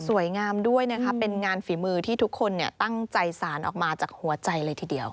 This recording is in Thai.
งามด้วยนะคะเป็นงานฝีมือที่ทุกคนตั้งใจสารออกมาจากหัวใจเลยทีเดียว